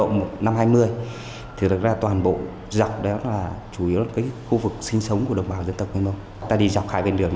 năm hai nghìn một mươi một dự án trồng rừng ở mường lát được khởi động